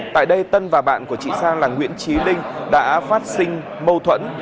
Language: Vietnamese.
tại đây tân và bạn của chị sang là nguyễn trí linh đã phát sinh mâu thuẫn